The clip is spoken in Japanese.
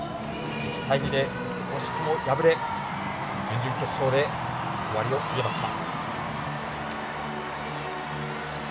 １対２で惜しくも敗れ準々決勝で終わりを告げました。